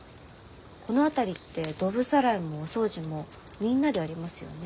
この辺りってドブさらいもお掃除もみんなでやりますよね？